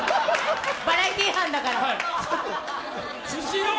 バラエティー班だから。